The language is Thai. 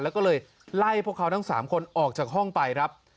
แล้วก็เลยไล่พวกเขาทั้ง๓คนออกจากห้องไปครับ